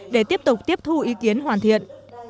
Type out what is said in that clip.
để tiếp tục tiếp thu ý kiến hoàn thiện